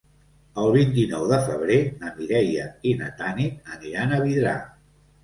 El vint-i-nou de febrer na Mireia i na Tanit aniran a Vidrà.